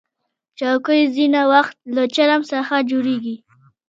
چوکۍ ځینې وخت له چرم څخه جوړیږي.